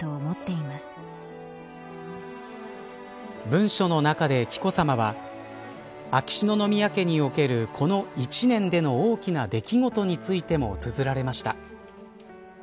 文書の中で紀子さまは秋篠宮家におけるこの１年での大きな出来事についてもつづられました。